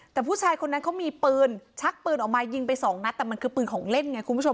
แต่ผู้ชายคนนั้นเขามีปืนชักปืนออกมายิงไปสองนัดแต่มันคือปืนของเล่นไงคุณผู้ชม